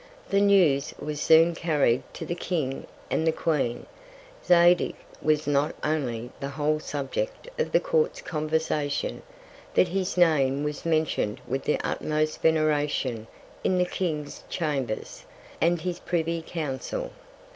The News was soon carried to the King and the Queen. Zadig was not only the whole Subject of the Court's Conversation; but his Name was mention'd with the utmost Veneration in the King's Chambers, and his Privy Council.